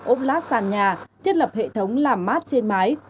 ốp lát sàn nhà thiết lập hệ thống làm mát trên mái